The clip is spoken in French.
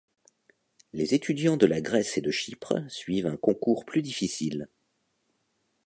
Les étudiants de la Grèce et de Chypre suivent un concours plus difficile.